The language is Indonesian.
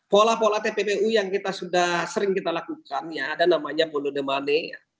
pola pola tppu yang kita sudah sering kita lakukan ya ada namanya bolude money